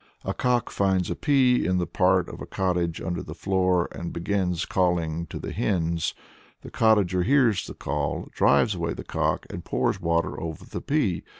A cock finds a pea in the part of a cottage under the floor, and begins calling to the hens; the cottager hears the call, drives away the cock, and pours water over the pea.